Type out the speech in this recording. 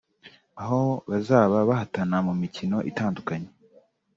aho bazaba bahatana mu mikino itandukanye